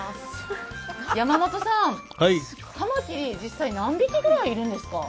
山本さん、かまきり、実際、何匹ぐらいいるんですか？